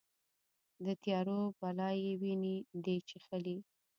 د تیارو بلا یې وینې دي چیښلې